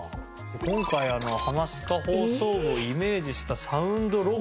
今回『ハマスカ放送部』をイメージしたサウンドロゴ。